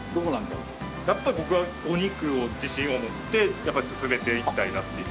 やっぱり僕はお肉を自信を持ってやっぱり薦めていきたいなっていう。